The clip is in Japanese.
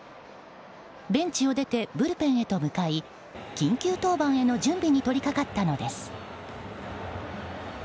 ベンチを出てブルペンへと向かい緊急登板準備に取り掛かったのです。